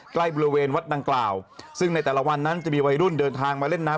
ใกล้บริเวณวัดดังกล่าวซึ่งในแต่ละวันนั้นจะมีวัยรุ่นเดินทางมาเล่นน้ำ